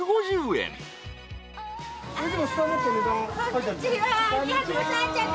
こんにちは。